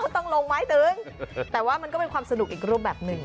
ต้องลงไม้ตึงแต่ว่ามันก็เป็นความสนุกอีกรูปแบบหนึ่ง